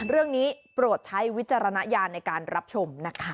เรื่องนี้ปลวดใช้วิจารณญาณในการรับชมนะคะ